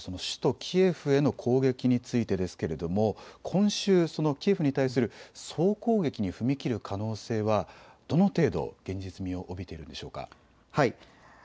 首都キエフへの攻撃についてですが今週、キエフに対する総攻撃に踏み切る可能性はどの程度、現実味を帯びているんでしょうか。